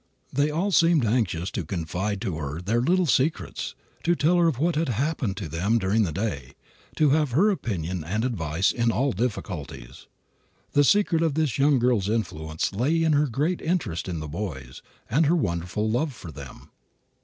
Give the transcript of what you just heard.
They all seemed anxious to confide to her their little secrets, to tell her of what had happened to them during the day, to have her opinion and advice in all difficulties. The secret of this young girl's influence lay in her great interest in the boys, and her wonderful love for them.